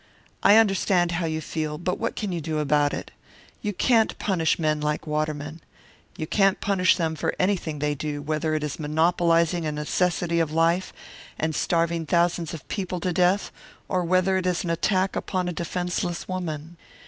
I understand how you feel, but what can you do about it? You can't punish men like Waterman. You can't punish them for anything they do, whether it is monopolising a necessity of life and starving thousands of people to death, or whether it is an attack upon a defenceless woman.